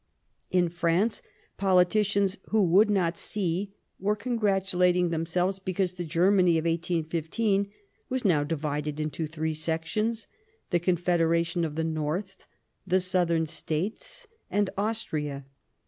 In France, politicians who would not see, were congratulating themselves because the Germany of 1815 was now divided into three sections, the Con federation of the North, the Southern States, and Austria.